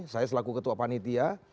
saya selaku ketua panitia